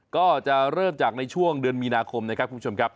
ก็จะเริ่มจากในช่วงเดือนมีนาคมนะครับคุณผู้ชมครับ